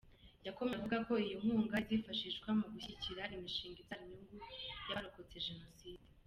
Yakomeje avuga ko iyi nkunga izifashishwa mu gushyigikira imishinga ibyara inyungu y’abarokotse Jenoside.